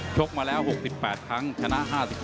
ชกมาแล้ว๖๘ครั้งชนะ๕๔